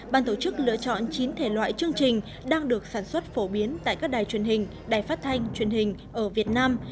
ban tổ chức lựa chọn chín thể loại chương trình đang được sản xuất phổ biến tại các đài truyền hình đài phát thanh truyền hình ở việt nam